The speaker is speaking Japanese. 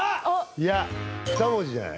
いや２文字じゃない？